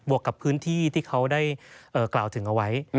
วกกับพื้นที่ที่เขาได้กล่าวถึงเอาไว้